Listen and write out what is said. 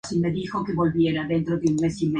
El enano roba el oro y lo convierte en un anillo.